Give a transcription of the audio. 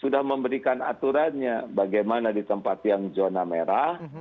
sudah memberikan aturannya bagaimana di tempat yang zona merah